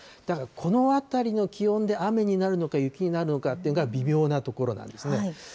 だからこのあたりの気温で雨になるのか雪になるのかっていうのが微妙なところなんですね。